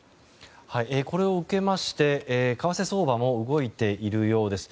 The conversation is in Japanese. これを受けまして為替相場も動いているようです。